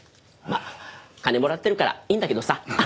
まあ金もらってるからいいんだけどさ。